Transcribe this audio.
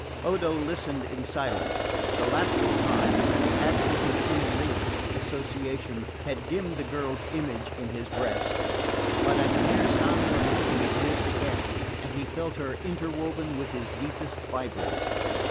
Odo listened in silence. The lapse of time, and the absence of any links of association, had dimmed the girl's image in his breast; but at the mere sound of her name it lived again, and he felt her interwoven with his deepest fibres.